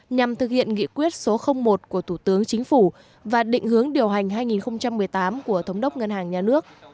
nhằm thực hiện nghị quyết số một của thủ tướng chính phủ và định hướng điều hành hai nghìn một mươi tám của thống đốc ngân hàng nhà nước